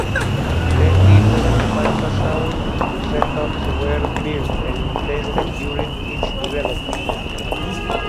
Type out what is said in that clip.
Ten different Fantasound setups were built and tested during its development.